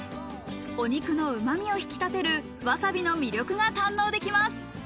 お肉のうま味を引き立てるわさびの魅力が堪能できます。